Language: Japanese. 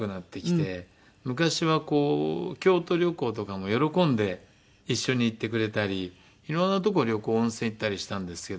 昔は京都旅行とかも喜んで一緒に行ってくれたりいろんな所へ旅行温泉行ったりしたんですけど。